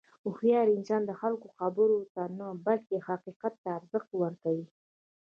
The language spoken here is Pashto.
هوښیار انسان د خلکو خبرو ته نه، بلکې حقیقت ته ارزښت ورکوي.